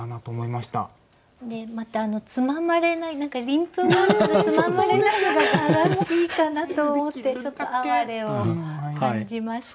またつままれない鱗粉があるからつままれないのが蛾らしいかなと思ってちょっと哀れを感じました。